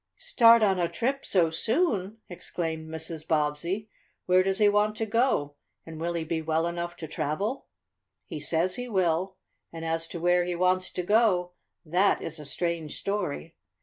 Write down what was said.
"Start on a trip so soon!" exclaimed Mrs. Bobbsey. "Where does he want to go, and will he be well enough to travel?" "He says he will. And as to where he wants to go, that is a strange story."